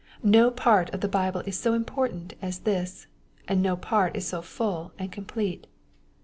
No part of the Bible is so important as this, and no part is so full and complete.